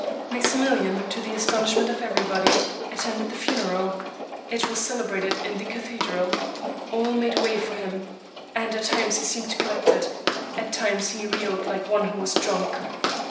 " Maximilian, to the astonishment of everybody, attended the funeral. It was celebrated in the cathedral. All made way for him, and at times he seemed collected ; at times he reeled like one who was drunk.